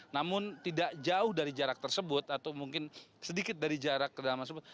namun tidak jauh dari jarak tersebut atau mungkin sedikit dari jarak kedalaman tersebut